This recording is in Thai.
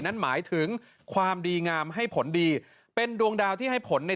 นั้นหมายถึงความดีงามให้ผลดีเป็นดวงดาวที่ให้ผลใน